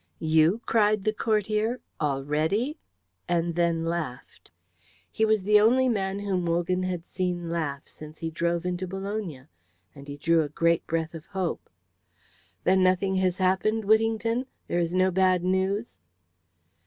"You?" cried the courtier. "Already?" and then laughed. He was the only man whom Wogan had seen laugh since he drove into Bologna, and he drew a great breath of hope. "Then nothing has happened, Whittington? There is no bad news?"